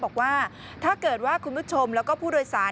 บอกว่าถ้าเกิดว่าคุณผู้ชมแล้วก็ผู้โดยสาร